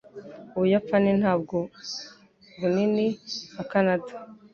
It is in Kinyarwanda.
Ubuyapani ntabwo bunini nka Kanada.